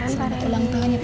selamat ulang tahun ya pak